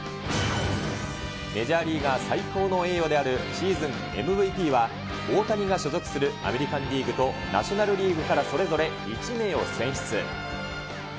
メジャーリーガー最高の栄誉であるシーズンＭＶＰは、大谷が所属するアメリカンリーグとナショナルリーグからそれぞれ１名を選出。